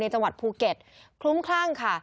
จังหวัดภูเก็ตคลุ้มคลั่งค่ะ